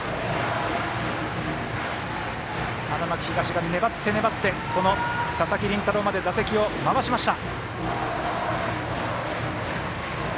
花巻東が粘って粘ってこの佐々木麟太郎まで打席を回しました。